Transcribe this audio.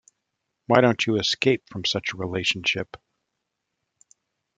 Why don't you escape from such a relationship?